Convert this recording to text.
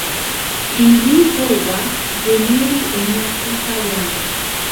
Ili povas generi en la tuta jaro.